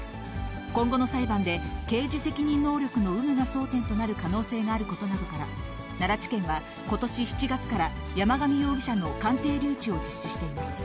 今後の裁判で、刑事責任能力の有無が争点となる可能性があることなどから、奈良地検は、ことし７月から山上容疑者の鑑定留置を実施しています。